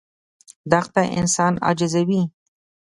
دښته انسان عاجزوي.